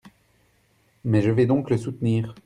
Mais je vais donc le soutenir.